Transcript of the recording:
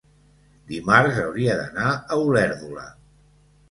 dimarts hauria d'anar a Olèrdola.